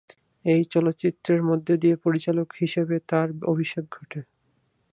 এই চলচ্চিত্রের মধ্য দিয়ে পরিচালক হিশেবে তার অভিষেক ঘটে।